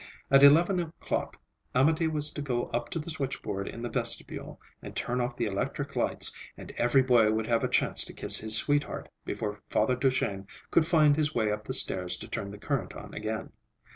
At eleven o'clock, Amédée was to go up to the switchboard in the vestibule and turn off the electric lights, and every boy would have a chance to kiss his sweetheart before Father Duchesne could find his way up the stairs to turn the current on again.